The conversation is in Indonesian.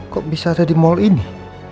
kok bisa ada di mal ini